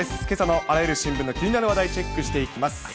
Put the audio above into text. けさのあらゆる新聞の気になる話題、チェックしていきます。